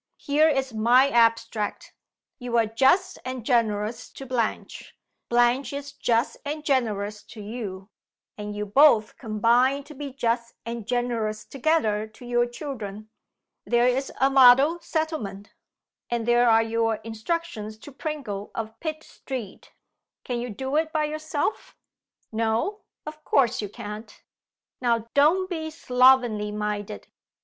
Here is my abstract: You are just and generous to Blanche; Blanche is just and generous to you; and you both combine to be just and generous together to your children. There is a model settlement! and there are your instructions to Pringle of Pitt Street! Can you do it by yourself? No; of course you can't. Now don't be slovenly minded!